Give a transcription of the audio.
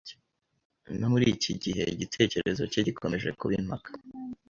No muri iki gihe, igitekerezo cye gikomeje kuba impaka.